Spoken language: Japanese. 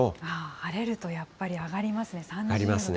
晴れるとやっぱり上がりますね。